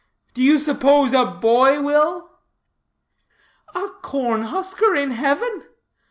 Do you suppose a boy will?" "A corn husker in heaven!